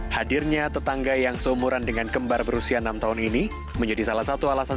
hadirnya tetangga yang seumuran dengan kembar berusia enam tahun ini menjadi salah satu alasan